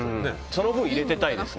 その分、入れてたいです。